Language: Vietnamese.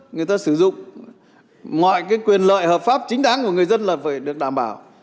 người ta sử dụng mọi cái quyền lợi hợp pháp chính đáng của người dân là phải được đảm bảo